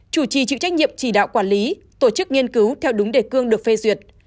chủ trì chịu trách nhiệm chỉ đạo quản lý tổ chức nghiên cứu theo đúng đề cương được phê duyệt